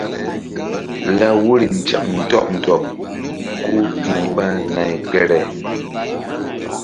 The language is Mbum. Law woyri nzek ndɔɓ ndɔɓ ku ti̧h ɓa nay kpere.